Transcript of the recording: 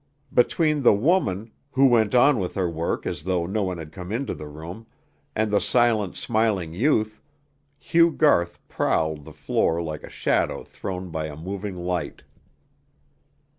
Between the woman, who went on with her work as though no one had come into the room, and the silent smiling youth, Hugh Garth prowled the floor like a shadow thrown by a moving light.